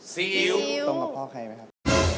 ซีอิ๊วตรงกับพ่อใครไหมครับ